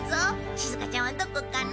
しずかちゃんはどこかな？